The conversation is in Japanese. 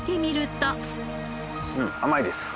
うん甘いです！